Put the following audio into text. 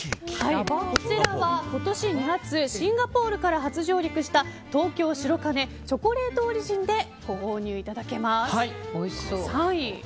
こちらは今年２月、シンガポールから初上陸した、東京・白金チョコレートオリジンでご購入いただけます。